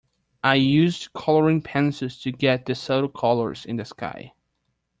I used colouring pencils to get the subtle colours in the sky.